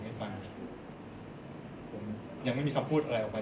ไม่ได้พูดระหละคำ